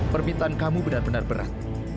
permintaan kamu benar benar berat